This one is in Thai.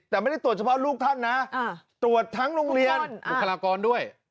แต่ไม่ได้ตรวจเฉพาะลูกท่านนะตรวจทั้งโรงเรียนบุคลากรด้วย